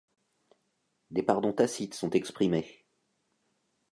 Des pardons tacites sont exprimés.